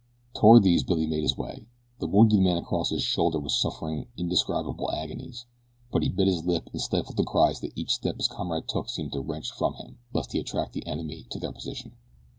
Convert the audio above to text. Toward these Billy made his way. The wounded man across his shoulder was suffering indescribable agonies; but he bit his lip and stifled the cries that each step his comrade took seemed to wrench from him, lest he attract the enemy to their position.